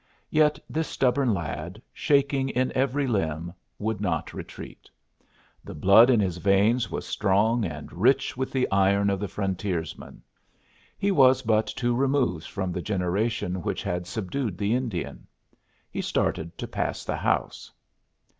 Yet this stubborn lad, shaking in every limb, would not retreat. The blood in his veins was strong and rich with the iron of the frontiersman. He was but two removes from the generation that had subdued the Indian. He started to pass the house.